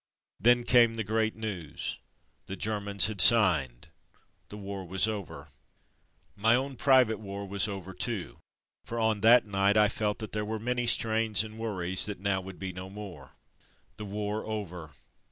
Then came the great news. The Germans had signed. The war was over. My own private war was over too, for on that night I felt that there were many Armistice 313 strains and worries that now would be no more. The war over!